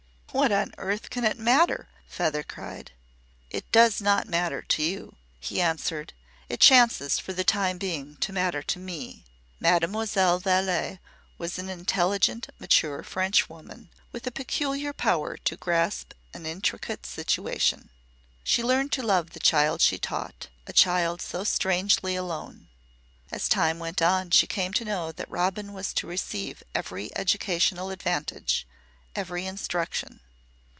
"What on earth can it matter?" Feather cried. "It does not matter to you," he answered. "It chances for the time being to matter to me." Mademoiselle Vallé was an intelligent, mature French woman, with a peculiar power to grasp an intricate situation. She learned to love the child she taught a child so strangely alone. As time went on she came to know that Robin was to receive every educational advantage, every instruction.